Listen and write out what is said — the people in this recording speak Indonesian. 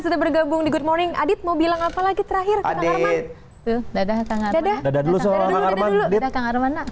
sudah bergabung di good morning adit mau bilang apa lagi terakhir adit tuh dadah kang arman